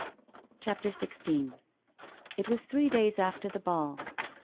' CHAPTER XVI It was three days after the ball.